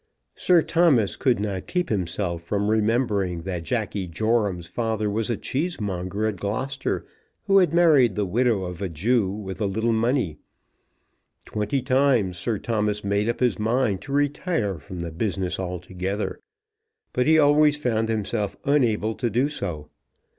Sir Thomas could not keep himself from remembering that Jacky Joram's father was a cheesemonger at Gloucester, who had married the widow of a Jew with a little money. Twenty times Sir Thomas made up his mind to retire from the business altogether; but he always found himself unable to do so.